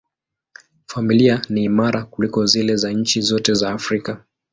Familia ni imara kuliko zile za nchi zote za Afrika.